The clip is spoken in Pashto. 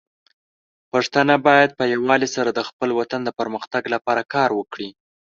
پښتانه بايد په يووالي سره د خپل وطن د پرمختګ لپاره کار وکړي.